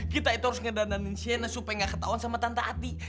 kita itu harus ngedandanin shaina supaya gak ketauan sama tante ati